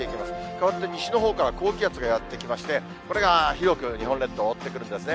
変わって西のほうから高気圧がやって来まして、これが広く日本列島、覆ってくるんですね。